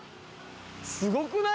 すごくない？